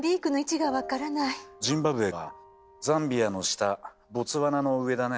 ジンバブエはザンビアの下ボツワナの上だね。